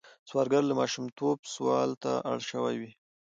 سوالګر له ماشومتوبه سوال ته اړ شوی وي